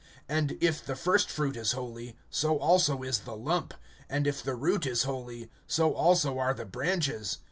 (16)And if the first fruit is holy, so also is the lump; and if the root is holy, so also are the branches.